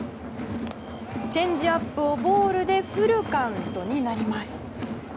チェンジアップをボールでフルカウントになります。